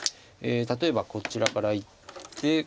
例えばこちらからいって。